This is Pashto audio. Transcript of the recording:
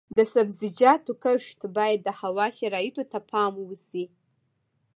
د سبزیجاتو کښت باید د هوا شرایطو ته په پام وشي.